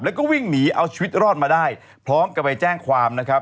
แล้วก็วิ่งหนีเอาชีวิตรอดมาได้พร้อมกับไปแจ้งความนะครับ